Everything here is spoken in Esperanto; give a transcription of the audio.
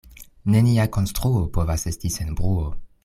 Nenia konstruo povas esti sen bruo.